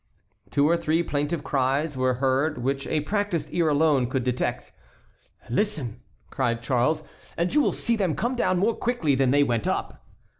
Two or three plaintive cries were heard which a practised ear alone could detect. "Listen!" cried Charles, "and you will see them come down more quickly than they went up."